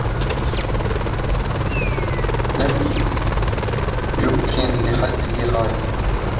لَمْ يَكُنْ لِحَدِّهِ غَايَةٌ